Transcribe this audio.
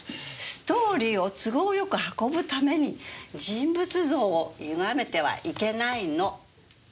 ストーリーを都合よく運ぶために人物像をゆがめてはいけないの！